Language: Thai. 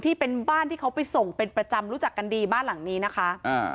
ที่เป็นบ้านที่เขาไปส่งเป็นประจำรู้จักกันดีบ้านหลังนี้นะคะอ่า